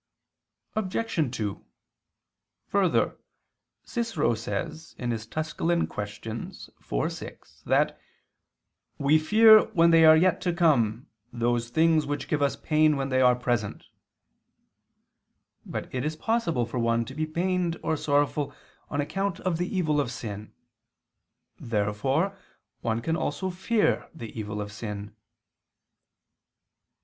Obj. 2: Further, Cicero says (Quaest. Tusc. iv, 4, 6) that "we fear when they are yet to come, those things which give us pain when they are present." But it is possible for one to be pained or sorrowful on account of the evil of sin. Therefore one can also fear the evil of sin.